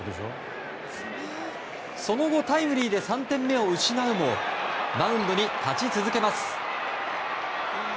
その後タイムリーで３点目を失うもマウンドに立ち続けます。